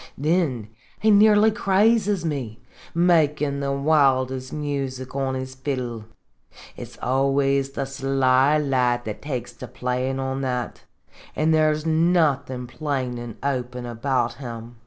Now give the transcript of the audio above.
" Thin he nearly crazes me, makin* the wildest music on his fiddle. It 's always the sly lad that takes to playin' on that, an* there 's nothin' plain an' open about him.